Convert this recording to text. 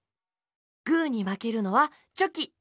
グーにまけるのはチョキ！